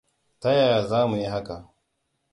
Ta yaya za mu yi haka?